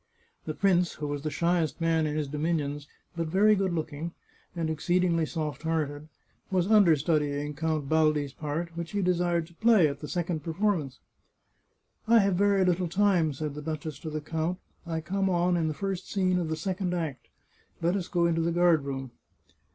The prince, who was the shyest man in his dominions, but very good looking, and exceedingly soft hearted, was under studying Count Baldi's part, which he desired to play at the second performance. " I have very little time," said the duchess to the count. " I come on in the first scene of the second act. Let us go into the guard room."